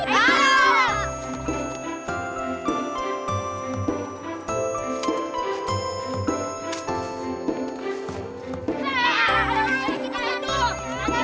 aduh kamu jatoh ya